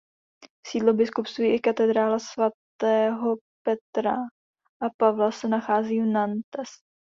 Sídlo biskupství i katedrála Katedrála svatého Petra a Pavla se nachází v Nantes.